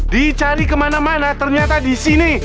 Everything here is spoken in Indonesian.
dicari kemana mana ternyata di sini